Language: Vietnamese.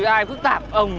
ai phức tạp ông